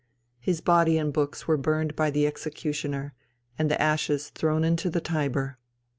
His body and his books were burned by the executioner, and the ashes thrown into the Tiber.